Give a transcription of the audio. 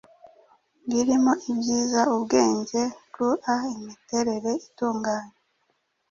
Ibirimo ibyiza, ubwenge, gua, imiterere itunganye